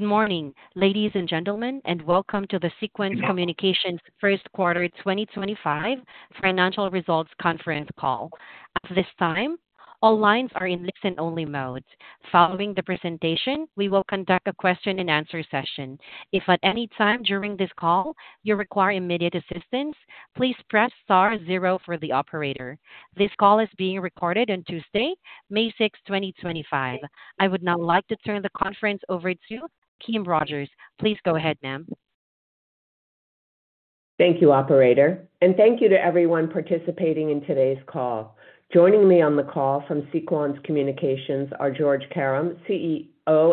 Good morning, ladies and gentlemen, and welcome to the Sequans Communications First Quarter 2025 Financial Results Conference Call. At this time, all lines are in listen-only mode. Following the presentation, we will conduct a question-and-answer session. If at any time during this call you require immediate assistance, please press star zero for the operator. This call is being recorded on Tuesday, May 6, 2025. I would now like to turn the conference over to Kim Rogers. Please go ahead, ma'am. Thank you, Operator, and thank you to everyone participating in today's call. Joining me on the call from Sequans Communications are Georges Karam, CEO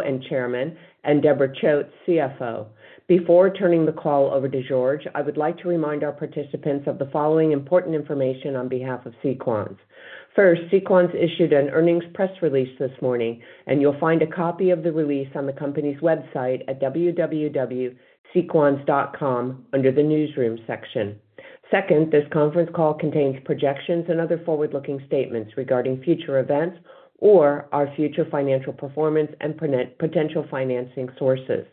and Chairman, and Deborah Choate, CFO. Before turning the call over to Georges, I would like to remind our participants of the following important information on behalf of Sequans. First, Sequans issued an earnings press release this morning, and you'll find a copy of the release on the company's website at www.sequans.com under the newsroom section. Second, this conference call contains projections and other forward-looking statements regarding future events or our future financial performance and potential financing sources.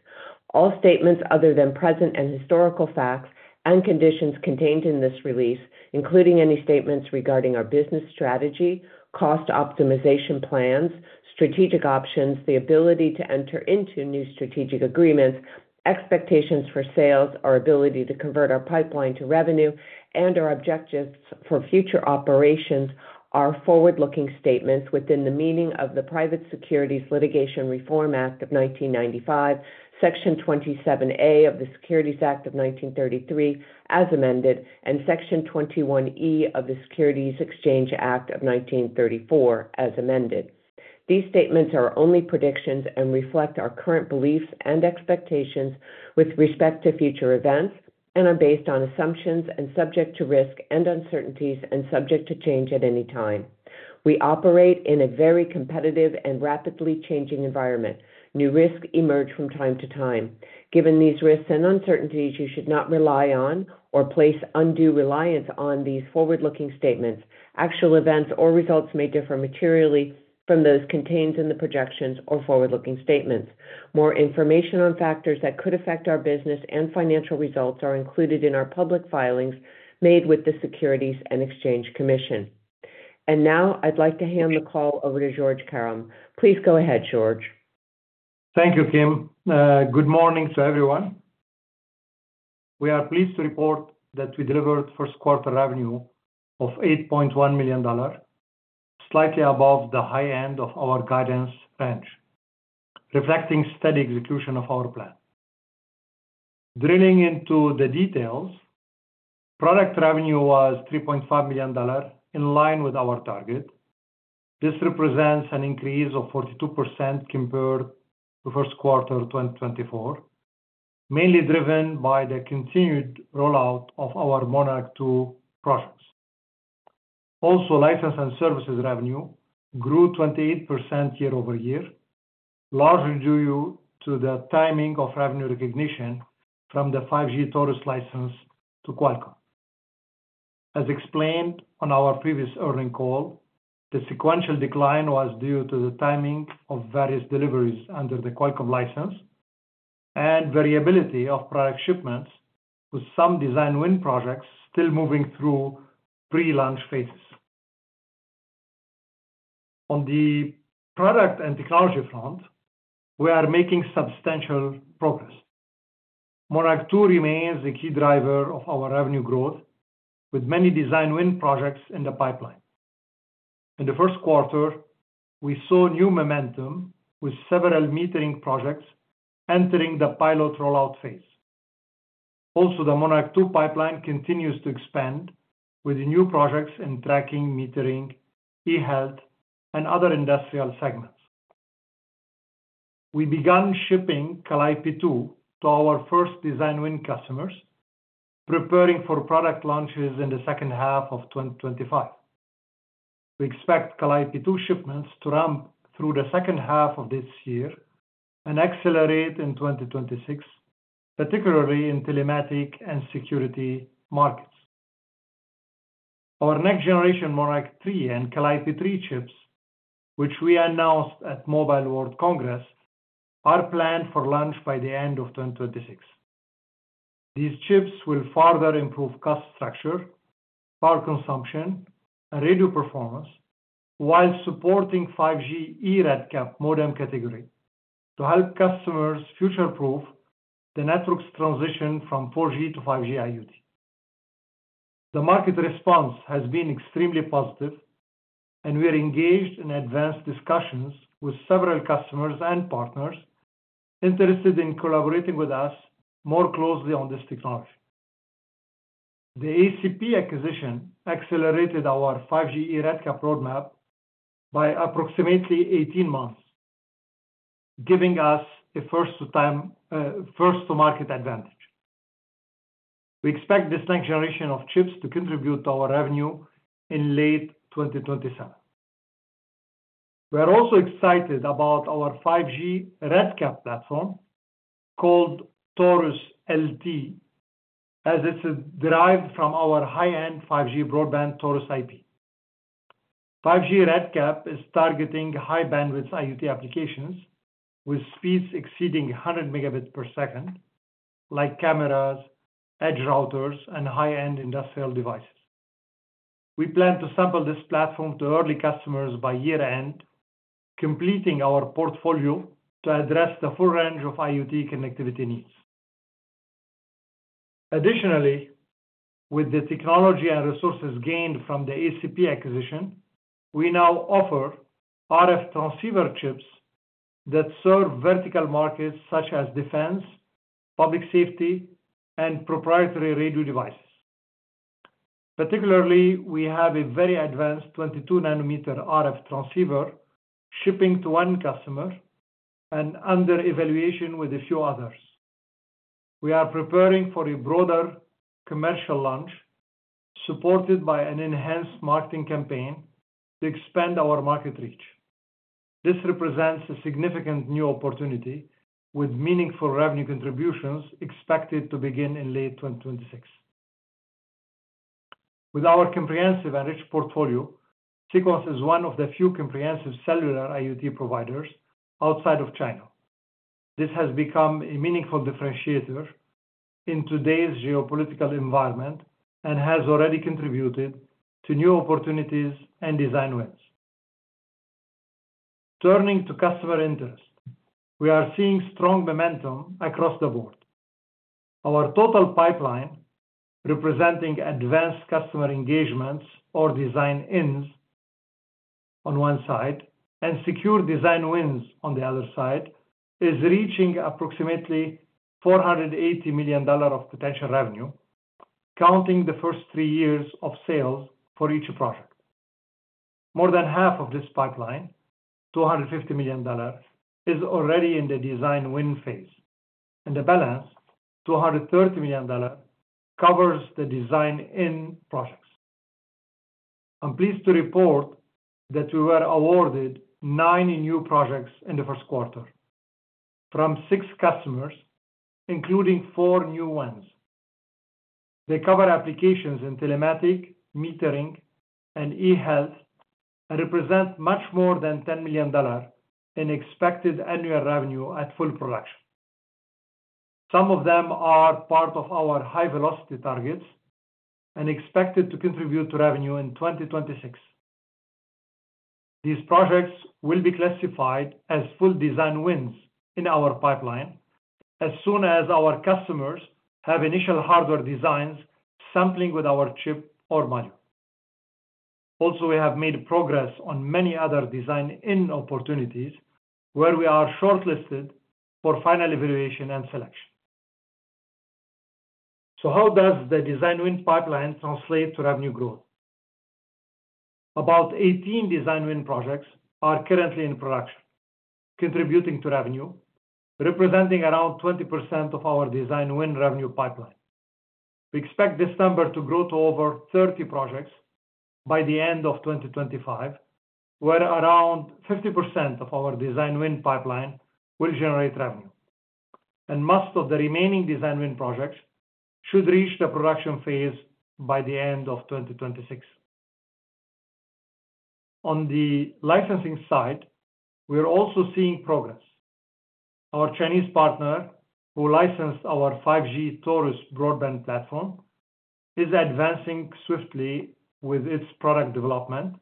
All statements other than present and historical facts and conditions contained in this release, including any statements regarding our business strategy, cost optimization plans, strategic options, the ability to enter into new strategic agreements, expectations for sales, our ability to convert our pipeline to revenue, and our objectives for future operations, are forward-looking statements within the meaning of the Private Securities Litigation Reform Act of 1995, Section 27A of the Securities Act of 1933 as amended, and Section 21E of the Securities Exchange Act of 1934 as amended. These statements are only predictions and reflect our current beliefs and expectations with respect to future events and are based on assumptions and subject to risk and uncertainties and subject to change at any time. We operate in a very competitive and rapidly changing environment. New risks emerge from time to time. Given these risks and uncertainties, you should not rely on or place undue reliance on these forward-looking statements. Actual events or results may differ materially from those contained in the projections or forward-looking statements. More information on factors that could affect our business and financial results are included in our public filings made with the Securities and Exchange Commission. I would like to hand the call over to Georges Karam. Please go ahead, Georges. Thank you, Kim. Good morning to everyone. We are pleased to report that we delivered first-quarter revenue of $8.1 million, slightly above the high end of our guidance range, reflecting steady execution of our plan. Drilling into the details, product revenue was $3.5 million, in line with our target. This represents an increase of 42% compared to first quarter 2024, mainly driven by the continued rollout of our Monarch 2 projects. Also, license and services revenue grew 28% year over year, largely due to the timing of revenue recognition from the 5G Taurus license to Qualcomm. As explained on our previous earnings call, the sequential decline was due to the timing of various deliveries under the Qualcomm license and variability of product shipments, with some design win projects still moving through pre-launch phases. On the product and technology front, we are making substantial progress. Monarch 2 remains a key driver of our revenue growth, with many design win projects in the pipeline. In the first quarter, we saw new momentum, with several metering projects entering the pilot rollout phase. Also, the Monarch 2 pipeline continues to expand, with new projects in tracking, metering, e-health, and other industrial segments. We began shipping Calliope 2 to our first design win customers, preparing for product launches in the second half of 2025. We expect Calliope 2 shipments to ramp through the second half of this year and accelerate in 2026, particularly in telematics and security markets. Our next-generation Monarch 3 and Calliope 3 chips, which we announced at Mobile World Congress, are planned for launch by the end of 2026. These chips will further improve cost structure, power consumption, and readout performance while supporting 5G eRedCap modem category to help customers future-proof the network's transition from 4G to 5G IoT. The market response has been extremely positive, and we are engaged in advanced discussions with several customers and partners interested in collaborating with us more closely on this technology. The ACP acquisition accelerated our 5G eRedCap roadmap by approximately 18 months, giving us a first-to-market advantage. We expect this next generation of chips to contribute to our revenue in late 2027. We are also excited about our 5G RedCap platform called Taurus LT, as it's derived from our high-end 5G broadband Taurus IP. 5G RedCap is targeting high-bandwidth IoT applications with speeds exceeding 100 Mbps, like cameras, edge routers, and high-end industrial devices. We plan to sample this platform to early customers by year-end, completing our portfolio to address the full range of IoT connectivity needs. Additionally, with the technology and resources gained from the ACP acquisition, we now offer RF transceiver chips that serve vertical markets such as defense, public safety, and proprietary radio devices. Particularly, we have a very advanced 22-nanometer RF transceiver shipping to one customer and under evaluation with a few others. We are preparing for a broader commercial launch supported by an enhanced marketing campaign to expand our market reach. This represents a significant new opportunity, with meaningful revenue contributions expected to begin in late 2026. With our comprehensive and rich portfolio, Sequans is one of the few comprehensive cellular IoT providers outside of China. This has become a meaningful differentiator in today's geopolitical environment and has already contributed to new opportunities and design wins. Turning to customer interest, we are seeing strong momentum across the board. Our total pipeline, representing advanced customer engagements or design ins on one side and secure design wins on the other side, is reaching approximately $480 million of potential revenue, counting the first three years of sales for each project. More than half of this pipeline, $250 million, is already in the design win phase, and the balance, $230 million, covers the design in projects. I'm pleased to report that we were awarded nine new projects in the first quarter from six customers, including four new ones. They cover applications in telematics, metering, and e-health, and represent much more than $10 million in expected annual revenue at full production. Some of them are part of our high-velocity targets and expected to contribute to revenue in 2026. These projects will be classified as full design wins in our pipeline as soon as our customers have initial hardware designs sampling with our chip or module. Also, we have made progress on many other design in opportunities where we are shortlisted for final evaluation and selection. How does the design win pipeline translate to revenue growth? About 18 design win projects are currently in production, contributing to revenue, representing around 20% of our design win revenue pipeline. We expect this number to grow to over 30 projects by the end of 2025, where around 50% of our design win pipeline will generate revenue. Most of the remaining design win projects should reach the production phase by the end of 2026. On the licensing side, we are also seeing progress. Our Chinese partner, who licensed our 5G Taurus broadband platform, is advancing swiftly with its product development,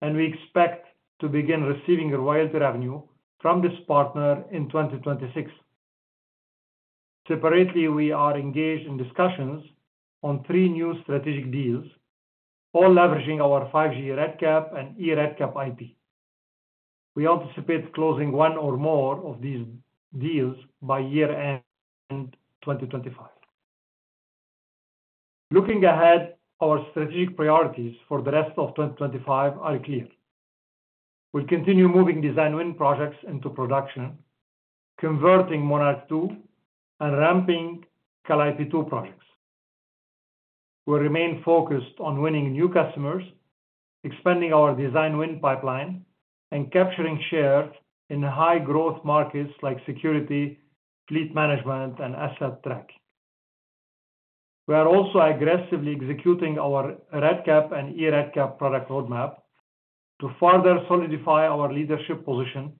and we expect to begin receiving royalty revenue from this partner in 2026. Separately, we are engaged in discussions on three new strategic deals, all leveraging our 5G RedCap and eRedCap IP. We anticipate closing one or more of these deals by year-end 2025. Looking ahead, our strategic priorities for the rest of 2025 are clear. We'll continue moving design win projects into production, converting Monarch 2 and ramping Calliope 2 projects. We'll remain focused on winning new customers, expanding our design win pipeline, and capturing share in high-growth markets like security, fleet management, and asset tracking. We are also aggressively executing our RedCap and eRedCap product roadmap to further solidify our leadership position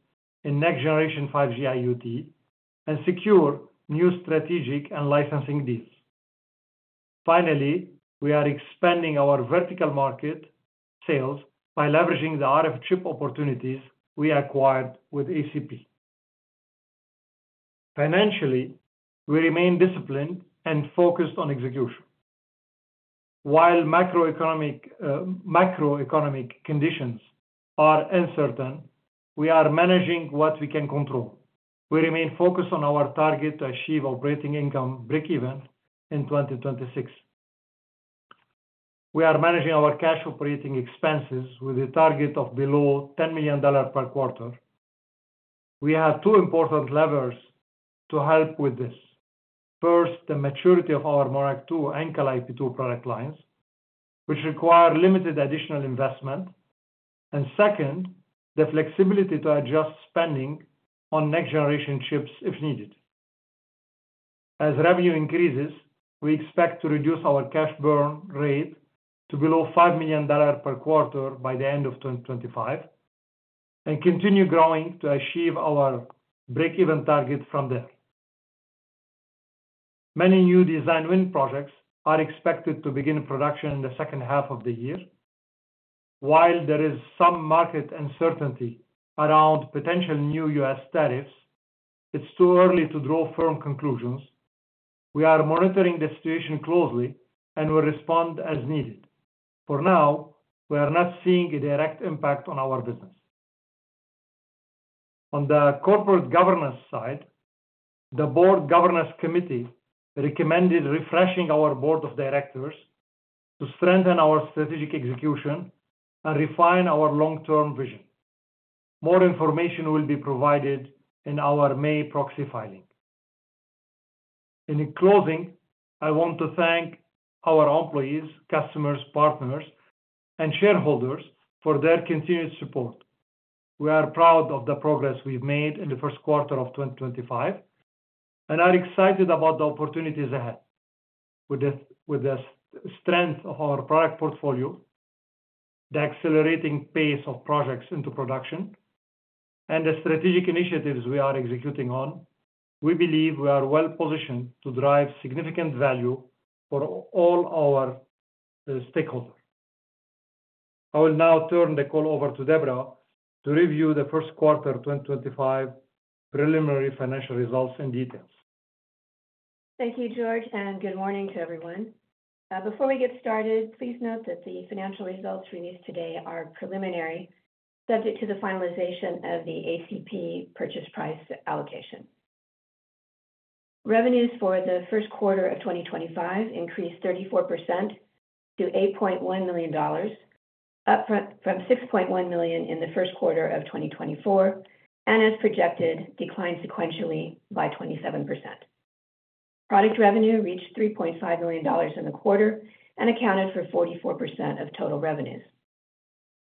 in next-generation 5G IoT and secure new strategic and licensing deals. Finally, we are expanding our vertical market sales by leveraging the RF chip opportunities we acquired with ACP. Financially, we remain disciplined and focused on execution. While macroeconomic conditions are uncertain, we are managing what we can control. We remain focused on our target to achieve operating income break-even in 2026. We are managing our cash operating expenses with a target of below $10 million per quarter. We have two important levers to help with this. First, the maturity of our Monarch 2 and Calliope 2 product lines, which require limited additional investment, and second, the flexibility to adjust spending on next-generation chips if needed. As revenue increases, we expect to reduce our cash burn rate to below $5 million per quarter by the end of 2025 and continue growing to achieve our break-even target from there. Many new design win projects are expected to begin production in the second half of the year. While there is some market uncertainty around potential new U.S. tariffs, it's too early to draw firm conclusions. We are monitoring the situation closely and will respond as needed. For now, we are not seeing a direct impact on our business. On the corporate governance side, the Board Governance Committee recommended refreshing our board of directors to strengthen our strategic execution and refine our long-term vision. More information will be provided in our May proxy filing. In closing, I want to thank our employees, customers, partners, and shareholders for their continued support. We are proud of the progress we've made in the first quarter of 2025 and are excited about the opportunities ahead. With the strength of our product portfolio, the accelerating pace of projects into production, and the strategic initiatives we are executing on, we believe we are well-positioned to drive significant value for all our stakeholders. I will now turn the call over to Deborah to review the first quarter 2025 preliminary financial results in detail. Thank you, Georges, and good morning to everyone. Before we get started, please note that the financial results released today are preliminary, subject to the finalization of the ACP purchase price allocation. Revenues for the first quarter of 2025 increased 34% to $8.1 million, up from $6.1 million in the first quarter of 2024, and as projected, declined sequentially by 27%. Product revenue reached $3.5 million in the quarter and accounted for 44% of total revenues.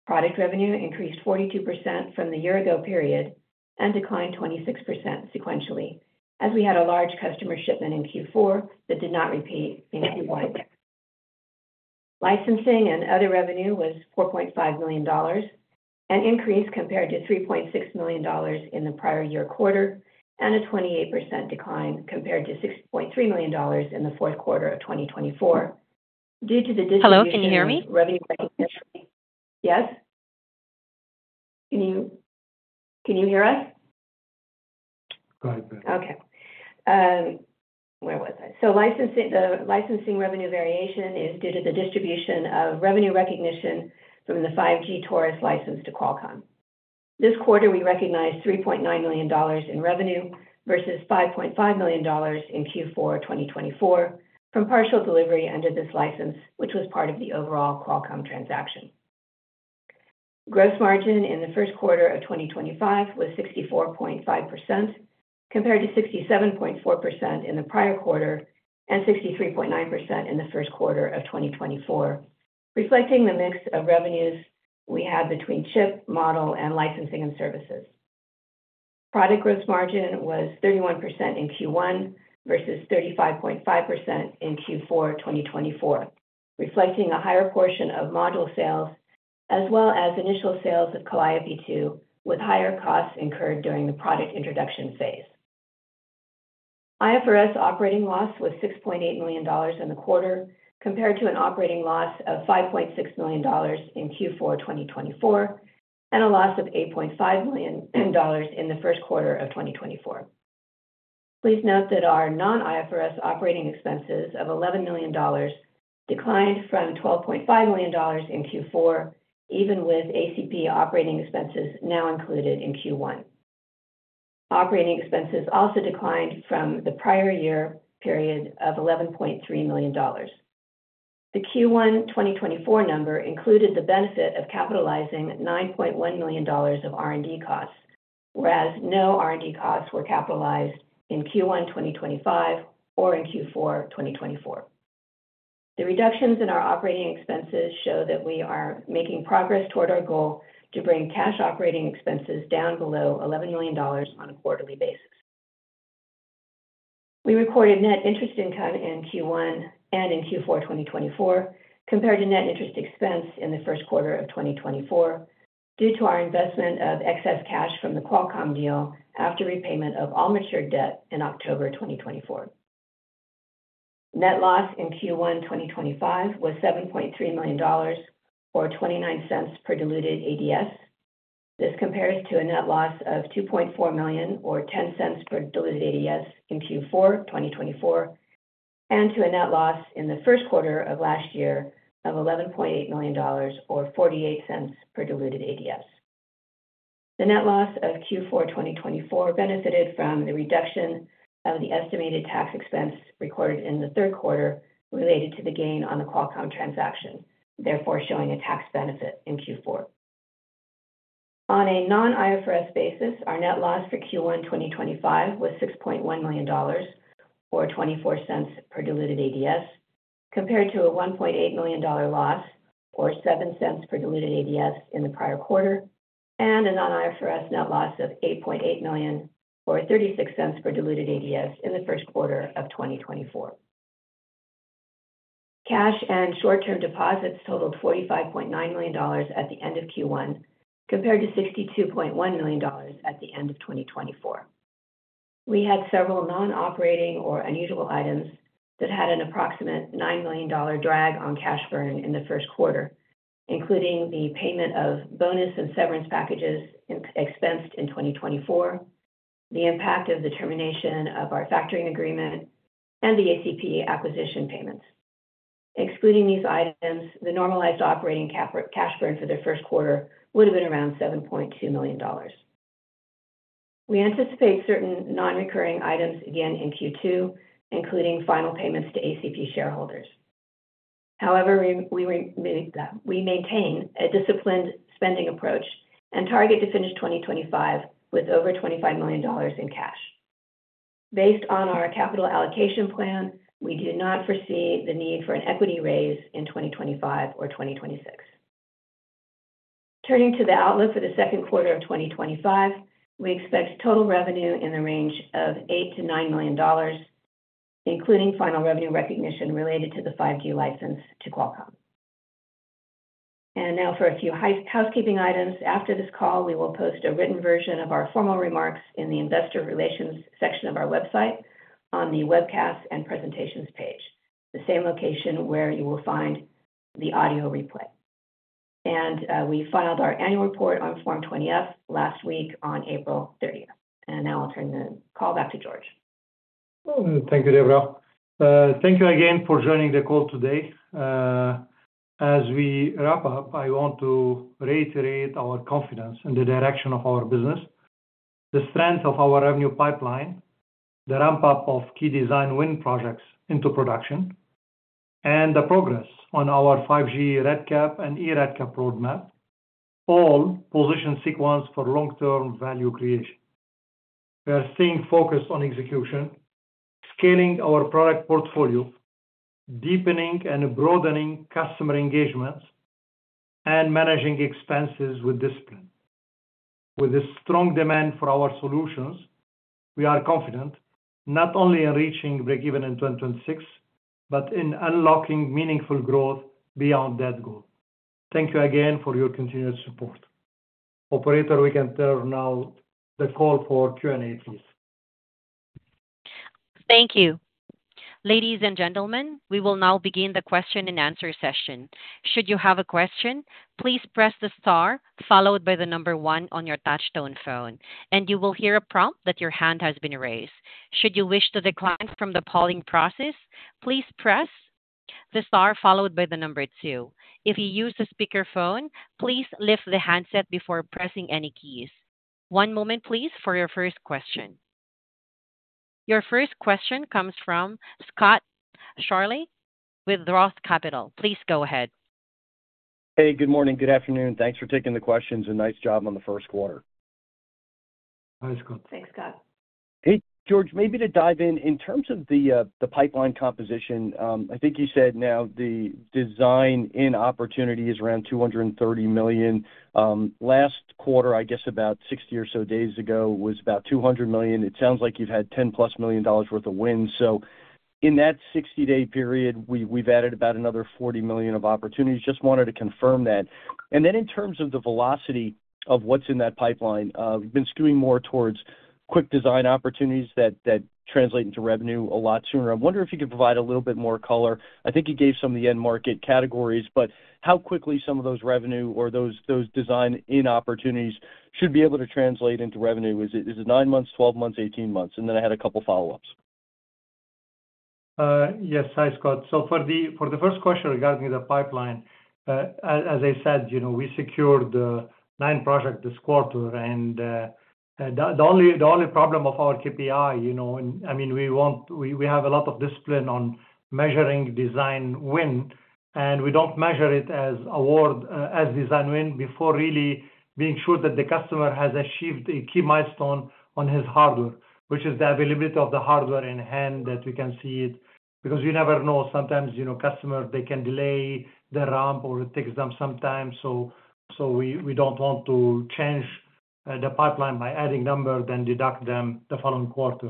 Product revenue increased 42% from the year-ago period and declined 26% sequentially, as we had a large customer shipment in Q4 that did not repeat in Q1. Licensing and other revenue was $4.5 million, an increase compared to $3.6 million in the prior year quarter, and a 28% decline compared to $6.3 million in the fourth quarter of 2024. Due to the. Hello, can you hear me? Revenue recognition. Yes. Can you hear us? Go ahead, Deborah. Okay. Where was I? The licensing revenue variation is due to the distribution of revenue recognition from the 5G Taurus license to Qualcomm. This quarter, we recognized $3.9 million in revenue versus $5.5 million in Q4 2024 from partial delivery under this license, which was part of the overall Qualcomm transaction. Gross margin in the first quarter of 2025 was 64.5% compared to 67.4% in the prior quarter and 63.9% in the first quarter of 2024, reflecting the mix of revenues we had between chip, module, and licensing and services. Product gross margin was 31% in Q1 versus 35.5% in Q4 2024, reflecting a higher portion of module sales as well as initial sales of Calliope 2 with higher costs incurred during the product introduction phase. IFRS operating loss was $6.8 million in the quarter compared to an operating loss of $5.6 million in Q4 2024 and a loss of $8.5 million in the first quarter of 2024. Please note that our non-IFRS operating expenses of $11 million declined from $12.5 million in Q4, even with ACP operating expenses now included in Q1. Operating expenses also declined from the prior year period of $11.3 million. The Q1 2024 number included the benefit of capitalizing $9.1 million of R&D costs, whereas no R&D costs were capitalized in Q1 2025 or in Q4 2024. The reductions in our operating expenses show that we are making progress toward our goal to bring cash operating expenses down below $11 million on a quarterly basis. We recorded net interest income in Q1 and in Q4 2024 compared to net interest expense in the first quarter of 2024 due to our investment of excess cash from the Qualcomm deal after repayment of all matured debt in October 2024. Net loss in Q1 2025 was $7.3 million or $0.29 per diluted ADS. This compares to a net loss of $2.4 million or $0.10 per diluted ADS in Q4 2024 and to a net loss in the first quarter of last year of $11.8 million or $0.48 per diluted ADS. The net loss of Q4 2024 benefited from the reduction of the estimated tax expense recorded in the third quarter related to the gain on the Qualcomm transaction, therefore showing a tax benefit in Q4. On a non-IFRS basis, our net loss for Q1 2025 was $6.1 million or $0.24 per diluted ADS compared to a $1.8 million loss or $0.07 per diluted ADS in the prior quarter and a non-IFRS net loss of $8.8 million or $0.36 per diluted ADS in the first quarter of 2024. Cash and short-term deposits totaled $45.9 million at the end of Q1 compared to $62.1 million at the end of 2024. We had several non-operating or unusual items that had an approximate $9 million drag on cash burn in the first quarter, including the payment of bonus and severance packages expensed in 2024, the impact of the termination of our factoring agreement, and the ACP acquisition payments. Excluding these items, the normalized operating cash burn for the first quarter would have been around $7.2 million. We anticipate certain non-recurring items again in Q2, including final payments to ACP shareholders. However, we maintain a disciplined spending approach and target to finish 2025 with over $25 million in cash. Based on our capital allocation plan, we do not foresee the need for an equity raise in 2025 or 2026. Turning to the outlook for the second quarter of 2025, we expect total revenue in the range of $8 million-$9 million, including final revenue recognition related to the 5G license to Qualcomm. For a few housekeeping items, after this call, we will post a written version of our formal remarks in the Investor Relations section of our website on the webcast and presentations page, the same location where you will find the audio replay. We filed our annual report on Form 20-F last week on April 30. I'll turn the call back to Georges. Thank you, Deborah. Thank you again for joining the call today. As we wrap up, I want to reiterate our confidence in the direction of our business, the strength of our revenue pipeline, the ramp-up of key design win projects into production, and the progress on our 5G RedCap and eRedCap roadmap, all positioned Sequans for long-term value creation. We are staying focused on execution, scaling our product portfolio, deepening and broadening customer engagements, and managing expenses with discipline. With the strong demand for our solutions, we are confident not only in reaching break-even in 2026, but in unlocking meaningful growth beyond that goal. Thank you again for your continued support. Operator, we can now turn the call for Q&A, please. Thank you. Ladies and gentlemen, we will now begin the question-and-answer session. Should you have a question, please press the star followed by the number one on your touch-tone phone, and you will hear a prompt that your hand has been raised. Should you wish to decline from the polling process, please press the star followed by the number two. If you use the speakerphone, please lift the handset before pressing any keys. One moment, please, for your first question. Your first question comes from Scott Searle with ROTH Capital. Please go ahead. Hey, good morning. Good afternoon. Thanks for taking the questions and nice job on the first quarter. Nice job. Thanks, Scott. Hey, Georges, maybe to dive in, in terms of the pipeline composition, I think you said now the design in opportunity is around $230 million. Last quarter, I guess about 60 or so days ago, was about $200 million. It sounds like you've had $10+ million worth of wins. In that 60-day period, we've added about another $40 million of opportunities. Just wanted to confirm that. In terms of the velocity of what's in that pipeline, we've been skewing more towards quick design opportunities that translate into revenue a lot sooner. I wonder if you could provide a little bit more color. I think you gave some of the end market categories, but how quickly some of those revenue or those design in opportunities should be able to translate into revenue? Is it nine months, 12 months, 18 months? I had a couple of follow-ups. Yes. Hi, Scott. For the first question regarding the pipeline, as I said, we secured nine projects this quarter. The only problem of our KPI, I mean, we have a lot of discipline on measuring design win, and we don't measure it as award as design win before really being sure that the customer has achieved a key milestone on his hardware, which is the availability of the hardware in hand that we can see it. You never know, sometimes customers, they can delay the ramp or it takes them some time. We don't want to change the pipeline by adding number, then deduct them the following quarter.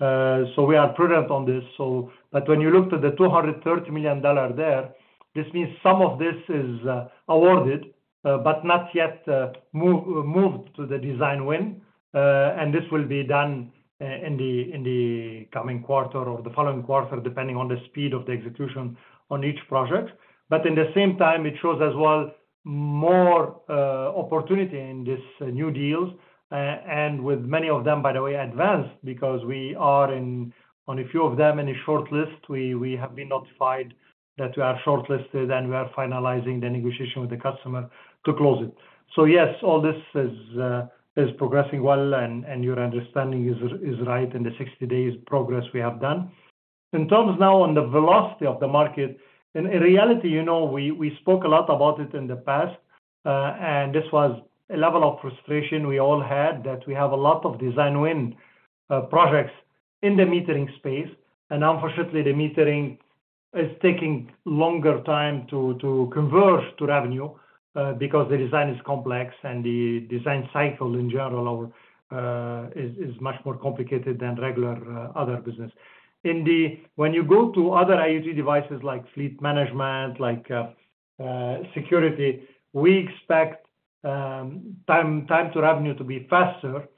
We are prudent on this. When you looked at the $230 million there, this means some of this is awarded, but not yet moved to the design win. This will be done in the coming quarter or the following quarter, depending on the speed of the execution on each project. At the same time, it shows as well more opportunity in these new deals. With many of them, by the way, advanced because we are on a few of them in a short list. We have been notified that we are shortlisted and we are finalizing the negotiation with the customer to close it. Yes, all this is progressing well, and your understanding is right in the 60-day progress we have done. In terms now on the velocity of the market, in reality, we spoke a lot about it in the past, and this was a level of frustration we all had that we have a lot of design win projects in the metering space. Unfortunately, the metering is taking longer time to converge to revenue because the design is complex and the design cycle in general is much more complicated than regular other business. When you go to other IoT devices like fleet management, like security, we expect time to revenue to be faster.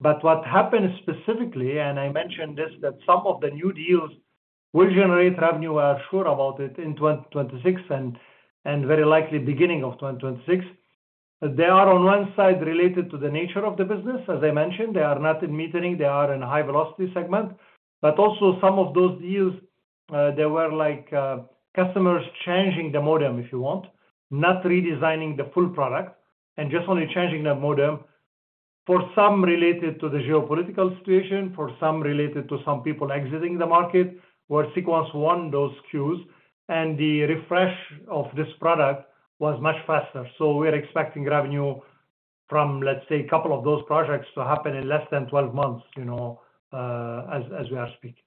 What happens specifically, and I mentioned this, that some of the new deals will generate revenue, we are sure about it in 2026 and very likely beginning of 2026. They are on one side related to the nature of the business, as I mentioned. They are not in metering. They are in a high-velocity segment. Also, some of those deals, there were customers changing the modem, if you want, not redesigning the full product, and just only changing the modem for some related to the geopolitical situation, for some related to some people exiting the market, where Sequans won those queues, and the refresh of this product was much faster. We are expecting revenue from, let's say, a couple of those projects to happen in less than 12 months as we are speaking.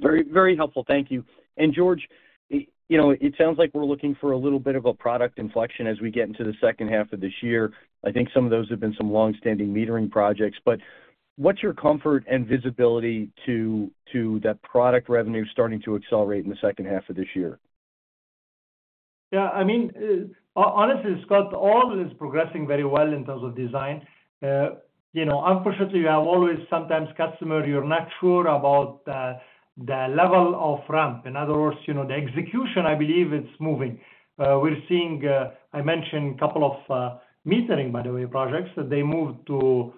Very, very helpful. Thank you. Georges, it sounds like we're looking for a little bit of a product inflection as we get into the second half of this year. I think some of those have been some long-standing metering projects. What's your comfort and visibility to that product revenue starting to accelerate in the second half of this year? Yeah. I mean, honestly, Scott, all is progressing very well in terms of design. Unfortunately, you have always sometimes customer, you're not sure about the level of ramp. In other words, the execution, I believe it's moving. I mentioned a couple of metering, by the way, projects. They moved to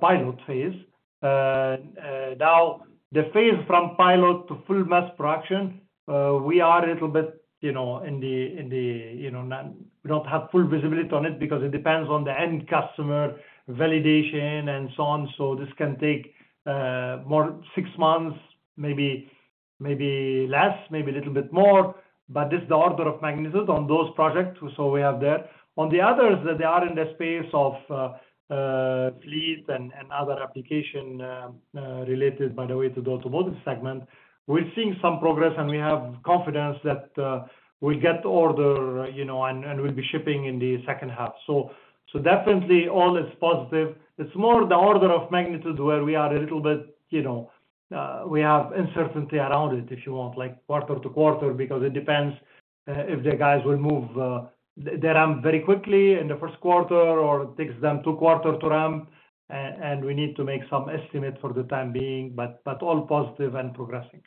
pilot phase. Now, the phase from pilot to full mass production, we are a little bit in the we don't have full visibility on it because it depends on the end customer validation and so on. This can take more six months, maybe less, maybe a little bit more. This is the order of magnitude on those projects we have there. On the others, they are in the space of fleet and other application related, by the way, to the automotive segment. We're seeing some progress, and we have confidence that we'll get order and we'll be shipping in the second half. Definitely, all is positive. It's more the order of magnitude where we are a little bit, we have uncertainty around it, if you want, like quarter to quarter because it depends if the guys will move the ramp very quickly in the first quarter or it takes them two quarters to ramp, and we need to make some estimate for the time being. All positive and progressing.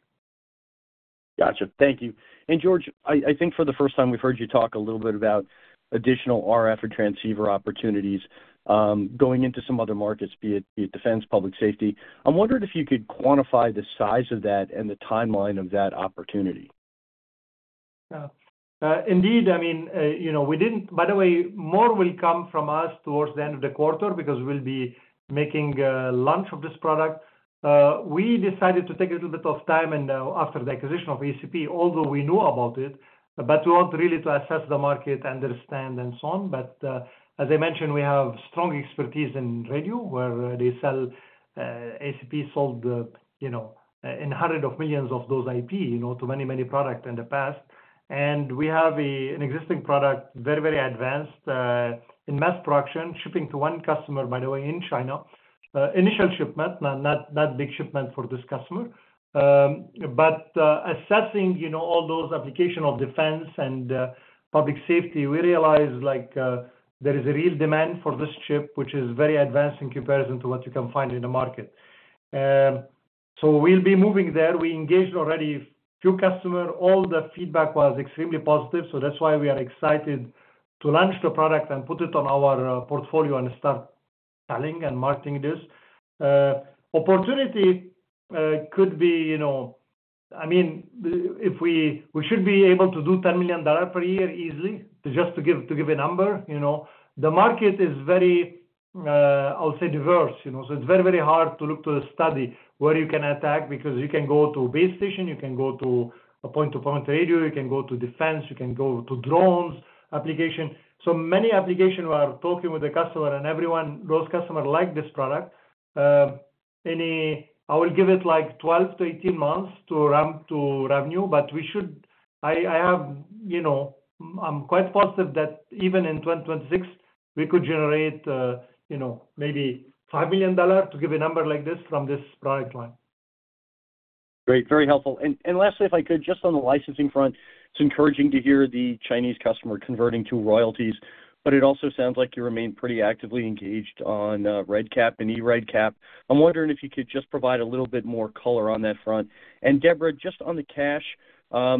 Gotcha. Thank you. Georges, I think for the first time we've heard you talk a little bit about additional RF and transceiver opportunities going into some other markets, be it defense, public safety. I'm wondering if you could quantify the size of that and the timeline of that opportunity. Indeed. I mean, by the way, more will come from us towards the end of the quarter because we'll be making launch of this product. We decided to take a little bit of time after the acquisition of ACP, although we knew about it, but to really assess the market, understand, and so on. As I mentioned, we have strong expertise in radio where ACP sold in hundreds of millions of those IP to many, many products in the past. We have an existing product, very, very advanced in mass production, shipping to one customer, by the way, in China. Initial shipment, not big shipment for this customer. Assessing all those applications of defense and public safety, we realize there is a real demand for this chip, which is very advanced in comparison to what you can find in the market. We'll be moving there. We engaged already a few customers. All the feedback was extremely positive. That's why we are excited to launch the product and put it on our portfolio and start selling and marketing this. Opportunity could be, I mean, if we should be able to do $10 million per year easily just to give a number. The market is very, I'll say, diverse. It's very, very hard to look to the study where you can attack because you can go to base station, you can go to point-to-point radio, you can go to defense, you can go to drones application. So many applications we are talking with the customer and everyone, those customers like this product. I will give it like 12 months-18 months to ramp to revenue. I'm quite positive that even in 2026, we could generate maybe $5 million to give a number like this from this product line. Great. Very helpful. Lastly, if I could, just on the licensing front, it's encouraging to hear the Chinese customer converting to royalties, but it also sounds like you remain pretty actively engaged on RedCap and eRedCap. I'm wondering if you could just provide a little bit more color on that front. Deborah, just on the cash, I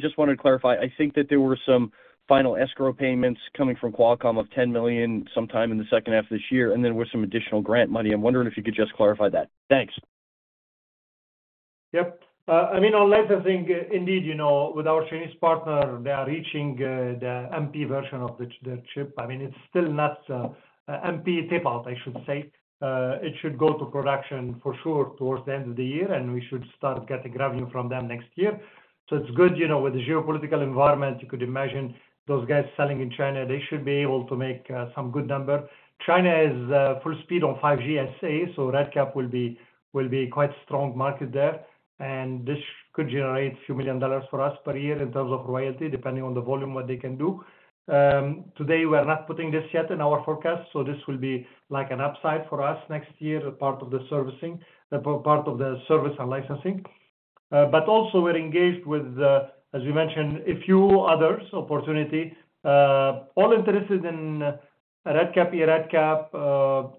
just wanted to clarify. I think that there were some final escrow payments coming from Qualcomm of $10 million sometime in the second half of this year, and then there was some additional grant money. I'm wondering if you could just clarify that. Thanks. Yep. I mean, on licensing, indeed, with our Chinese partner, they are reaching the MP version of the chip. I mean, it's still not MP tape out, I should say. It should go to production for sure towards the end of the year, and we should start getting revenue from them next year. It's good with the geopolitical environment. You could imagine those guys selling in China, they should be able to make some good number. China is full speed on 5G SA, so RedCap will be quite a strong market there. This could generate a few million dollars for us per year in terms of royalty, depending on the volume what they can do. Today, we are not putting this yet in our forecast, so this will be like an upside for us next year, part of the servicing, part of the service and licensing. We are also engaged with, as you mentioned, a few other opportunities. All are interested in RedCap, eRedCap,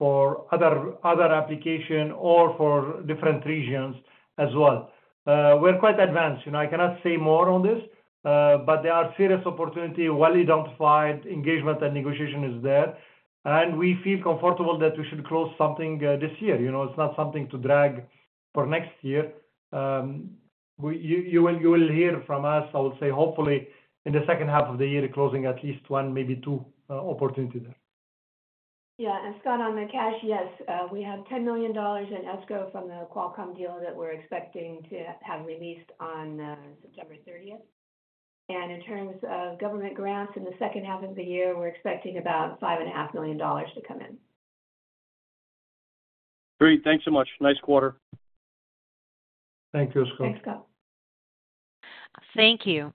or other applications or for different regions as well. We are quite advanced. I cannot say more on this, but there are serious opportunities, well-identified engagement, and negotiation is there. We feel comfortable that we should close something this year. It is not something to drag for next year. You will hear from us, I will say, hopefully, in the second half of the year, closing at least one, maybe two opportunities there. Yeah. Scott, on the cash, yes. We have $10 million in escrow from the Qualcomm deal that we're expecting to have released on September 30th. In terms of government grants in the second half of the year, we're expecting about $5.5 million to come in. Great. Thanks so much. Nice quarter. Thank you, Scott. Thanks, Scott. Thank you.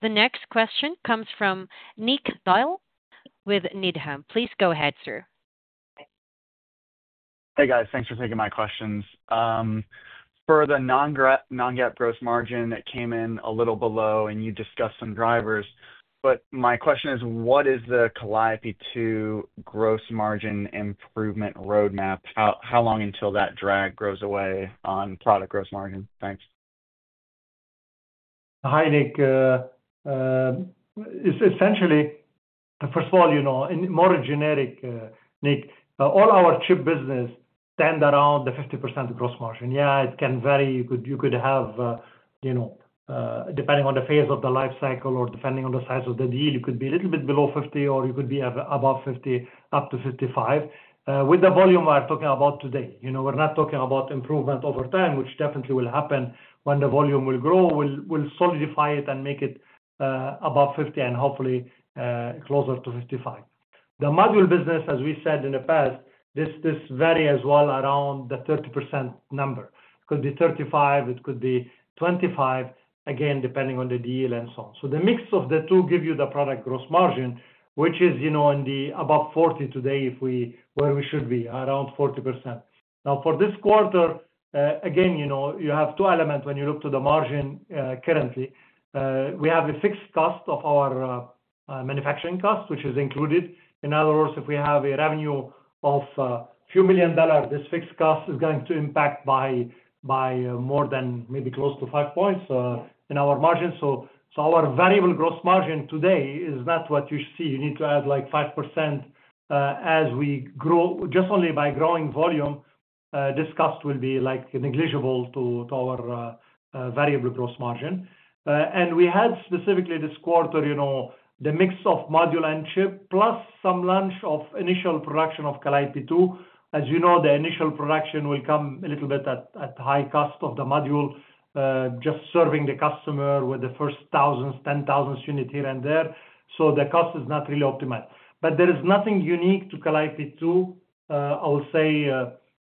The next question comes from Nick Doyle with Needham. Please go ahead, sir. Hey, guys. Thanks for taking my questions. For the non-GAAP gross margin, it came in a little below, and you discussed some drivers. My question is, what is the Calliope 2 gross margin improvement roadmap? How long until that drag goes away on product gross margin? Thanks. Hi, Nick. Essentially, first of all, in more generic, Nick, all our chip business stands around the 50% gross margin. Yeah, it can vary. You could have, depending on the phase of the life cycle or depending on the size of the deal, it could be a little bit below 50%, or you could be above 50%, up to 55%. With the volume we're talking about today, we're not talking about improvement over time, which definitely will happen when the volume will grow, will solidify it and make it above 50% and hopefully closer to 55%. The module business, as we said in the past, this varies as well around the 30% number. It could be 35%, it could be 25%, again, depending on the deal and so on. The mix of the two gives you the product gross margin, which is in the above 40% today where we should be, around 40%. Now, for this quarter, again, you have two elements when you look to the margin currently. We have a fixed cost of our manufacturing cost, which is included. In other words, if we have a revenue of a few million dollars, this fixed cost is going to impact by more than maybe close to five points in our margin. Our variable gross margin today is not what you see. You need to add like 5% as we grow just only by growing volume, this cost will be negligible to our variable gross margin. We had specifically this quarter, the mix of module and chip plus some launch of initial production of Calliope 2. As you know, the initial production will come a little bit at high cost of the module, just serving the customer with the first thousands, 10,000 units here and there. The cost is not really optimized. There is nothing unique to Calliope 2, I will say,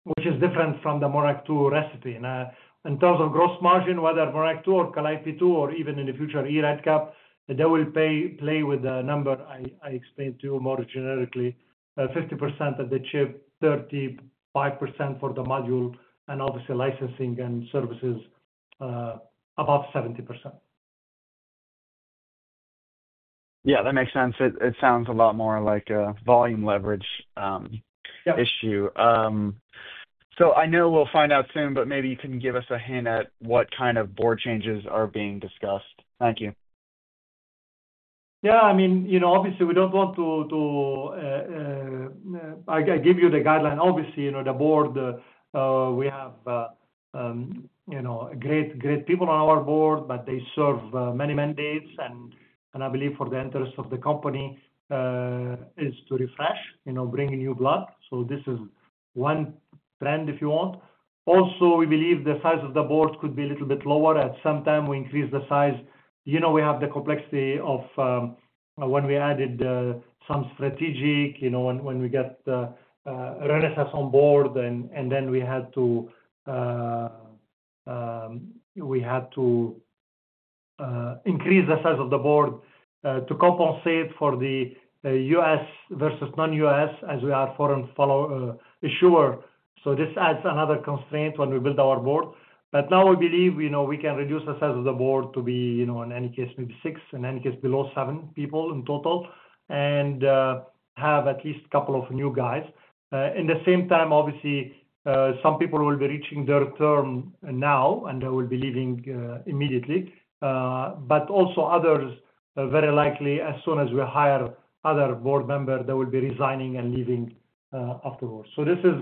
which is different from the Monarch 2 recipe. In terms of gross margin, whether Monarch 2 or Calliope 2, or even in the future, eRedCap, they will play with the number I explained to you more generically, 50% of the chip, 35% for the module, and obviously licensing and services about 70%. Yeah, that makes sense. It sounds a lot more like a volume leverage issue. I know we'll find out soon, but maybe you can give us a hint at what kind of board changes are being discussed. Thank you. Yeah. I mean, obviously, we don't want to, I give you the guideline. Obviously, the board, we have great people on our board, but they serve many mandates. I believe for the interest of the company is to refresh, bring new blood. This is one trend, if you want. Also, we believe the size of the board could be a little bit lower. At some time, we increased the size. We have the complexity of when we added some strategic, when we got Renesas on board, and then we had to increase the size of the board to compensate for the U.S. versus non-U.S. as we are foreign issuer. This adds another constraint when we build our board. Now we believe we can reduce the size of the board to be, in any case, maybe six, in any case below seven people in total, and have at least a couple of new guys. At the same time, obviously, some people will be reaching their term now, and they will be leaving immediately. Also, others, very likely, as soon as we hire other board members, they will be resigning and leaving afterwards. This is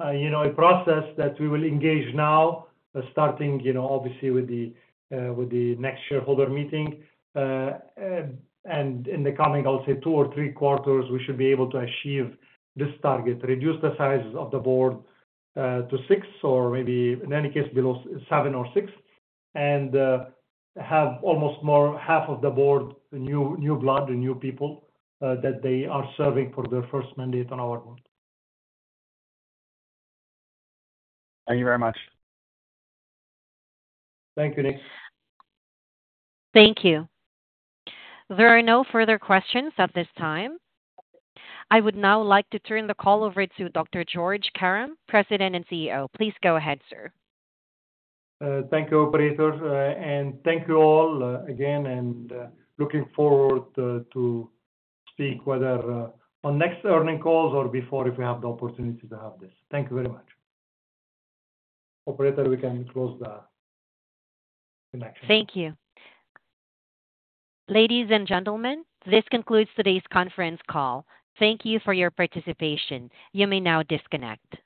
a process that we will engage now, starting obviously with the next shareholder meeting. In the coming, I'll say, two or three quarters, we should be able to achieve this target, reduce the size of the board to six or maybe, in any case, below seven or six, and have almost half of the board new blood and new people that they are serving for their first mandate on our board. Thank you very much. Thank you, Nick. Thank you. There are no further questions at this time. I would now like to turn the call over to Dr. Georges Karam, President and CEO. Please go ahead, sir. Thank you, Operator. Thank you all again, and looking forward to speak whether on next earning calls or before if we have the opportunity to have this. Thank you very much. Operator, we can close the connection. Thank you. Ladies and gentlemen, this concludes today's conference call. Thank you for your participation. You may now disconnect.